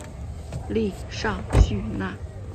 利尚叙纳。